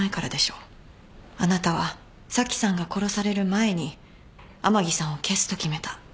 あなたは紗季さんが殺される前に甘木さんを消すと決めた。